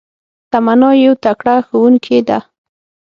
تمنا يو تکړه ښوونکي ده